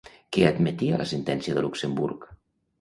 Què admetia la sentència de Luxemburg?